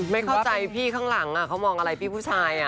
ไม่เข้าใจพี่ข้างหลังเขามองอะไรพี่ผู้ชาย